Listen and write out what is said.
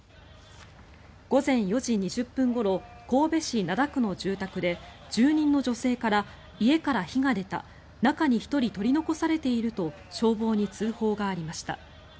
午前４時２０分ごろ神戸市灘区の住宅で住人の女性から、家から火が出た中に１人取り残されていると消防に通報がありました。